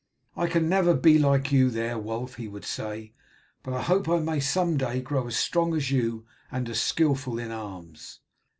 "I can never be like you there, Wulf," he would say, "but I hope I may some day grow as strong as you and as skilful in arms."